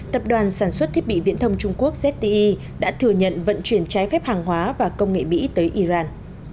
tập đoàn sản xuất thiết bị viễn thông trung quốc zte đã thừa nhận vận chuyển trái phép hàng hóa và công nghệ mỹ tới iran